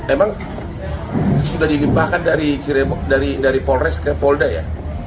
emang sudah dilimpahkan dari cirebok dari polres ke polda ya